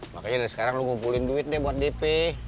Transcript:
makanya dari sekarang lo ngumpulin duit deh buat dp